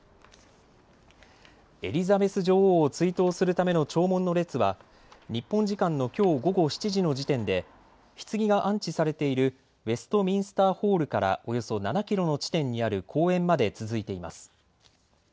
エリザベス女王を追悼するための弔問の列は日本時間のきょう午後７時の時点でひつぎが安置されているウェストミンスターホールからおよそ７キロの地点にある公園まで続いています。